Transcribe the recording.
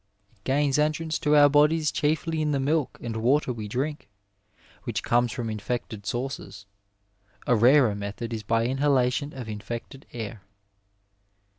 It gains entrance to our bodies chiefly in the milk and water we drink, which comes from infected sources ; a rarer method is by inhalation of infected air.